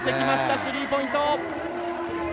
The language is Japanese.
スリーポイント。